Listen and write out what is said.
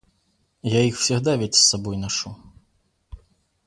Я их всегда ведь с собой ношу.